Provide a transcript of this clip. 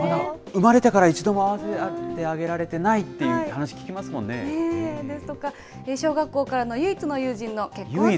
産まれてから一度も会わせてあげられてないって話聞きますもですとか、小学校からの唯一の友人の結婚式。